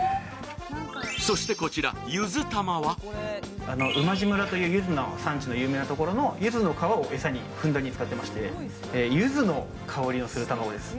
そしてこちら、ゆずたまは馬路村というゆずの産地で有名なところの、ゆずの皮を餌にふんだんに使っていまして、ゆずの香りのする卵です。